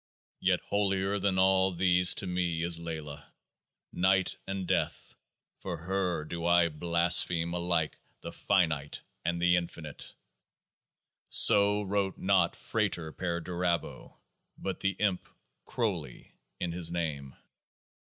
Yet holier than all These to me is LAYLAH, night and death ; for Her do I blaspheme alike the finite and The Infinite. So wrote not FRATER PERDURABO, but the Imp Crowley in his Name.